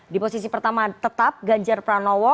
di posisi pertama tetap ganjar pranowo